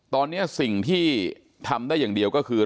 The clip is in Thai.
ตอนนี้สิ่งที่ทำได้อย่างเดียวก็คือ